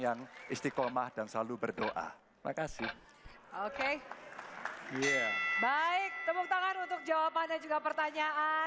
yang istiqomah dan selalu berdoa makasih oke ya baik temukan untuk jawabannya juga pertanyaan